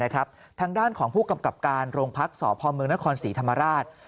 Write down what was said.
ทางด้านของผู้กำกับการโรงพักษ์สพเมืองนครศรีธรรมราช